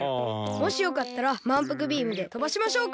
もしよかったらまんぷくビームでとばしましょうか？